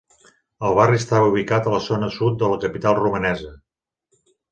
El barri està ubicat a la zona sud de la capital romanesa.